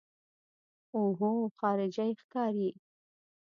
اوهو خارجۍ ښکاري.